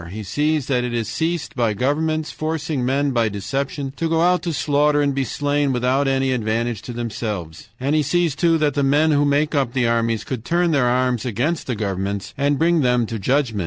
He sees that it is caused by governments forcing men by deception to go out to slaughter and be slain without any advantage to themselves. And he sees, too, that the men who make up the armies could turn their arms against the governments and bring them to judgment.